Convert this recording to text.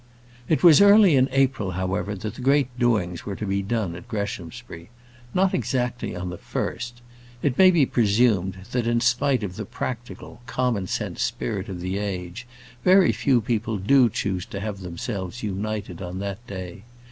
It was early in April, however, that the great doings were to be done at Greshamsbury. Not exactly on the first. It may be presumed, that in spite of the practical, common sense spirit of the age, very few people do choose to have themselves united on that day.